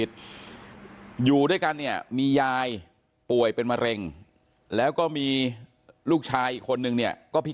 อายุ๑๐ปีนะฮะเขาบอกว่าเขาก็เห็นถูกยิงนะครับ